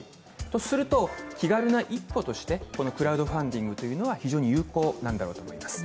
とすると、気軽な一歩としてクラウドファンディングは非常に有効なんだろうと思います。